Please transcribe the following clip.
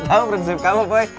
dia tuh tahu prinsip kamu poi